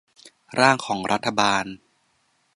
ร่างของรัฐบาล